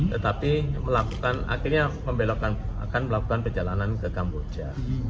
tetapi melakukan akhirnya akan melakukan perjalanan ke kamboja